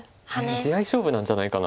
地合い勝負なんじゃないかなと。